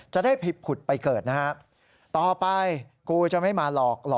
จะได้ผิดผุดไปเกิดนะฮะ